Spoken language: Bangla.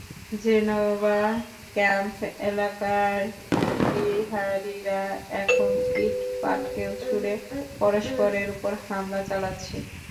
জেনেভা ক্যাম্প এলাকায় বিহারিরা এখন ইট-পাটকেল ছুড়ে পরস্পরের ওপর হামলা চালাচ্ছে।